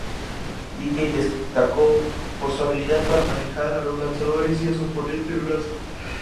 Dickey destacó por su habilidad para manejar a los lanzadores y su potente brazo.